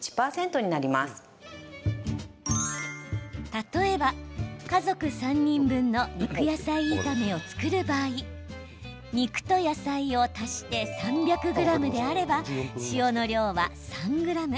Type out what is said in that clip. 例えば、家族３人分の肉野菜炒めを作る場合肉と野菜を足して３００ｇであれば塩の量は３ｇ。